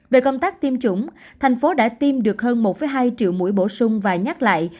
về công tác tiêm chủng thành phố đã tiêm được hơn một hai triệu mũi bổ sung và nhắc lại